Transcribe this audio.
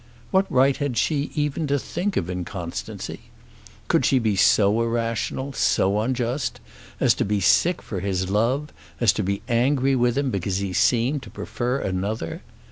What right had she even to think of inconstancy? Could she be so irrational, so unjust, as to be sick for his love, as to be angry with him because he seemed to prefer another?